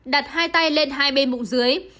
đặt hai tay lên hai bên bụng dưới